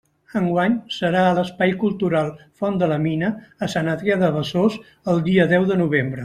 Enguany serà a l'Espai Cultural Font de La Mina a Sant Adrià de Besòs, el dia deu de novembre.